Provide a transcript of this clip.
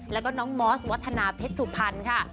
แล้วก็น้องมอสวัฒนาเพชรสุพรรณค่ะ